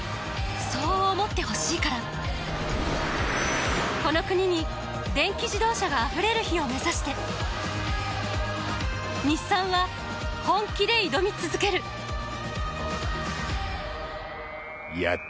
そう思ってほしいからこの国に電気自動車があふれる日を目指して日産は本気で挑み続けるやっ